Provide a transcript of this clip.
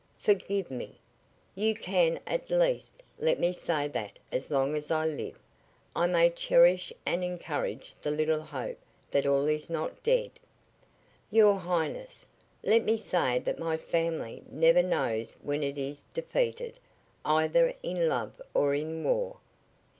"Forgive me! You can at least let me say that as long as I live I may cherish and encourage the little hope that all is not dead. Your Highness, let me say that my family never knows when it is defeated, either in love or in war."